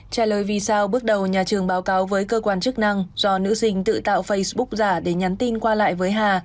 trả lời vì sao bước đầu nhà trường báo cáo với cơ quan chức năng do nữ sinh tự tạo facebook giả để nhắn tin qua lại với hà